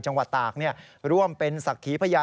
จังหวัดตากร่วมเป็นศักดิ์ขีพญา